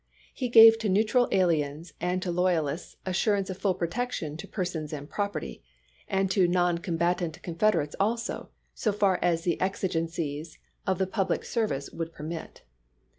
He gave to neutral aliens and to loyalists assurance of full protection to per sons and property ; and to non combatant Confed erates also, so far as the exigencies of the public ser \dce would permit.